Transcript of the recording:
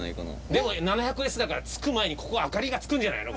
でも７００Ｓだから着く前にここ明かりがつくんじゃないの？